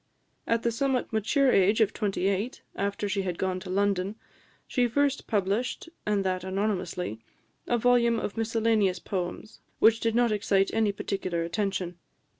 At the somewhat mature age of twenty eight, after she had gone to London, she first published, and that anonymously, a volume of miscellaneous poems, which did not excite any particular attention.